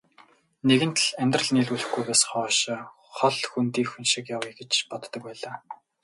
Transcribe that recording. Нэгэнт л амьдрал нийлүүлэхгүйгээс хойш хол хөндийхөн шиг явъя гэж боддог байлаа.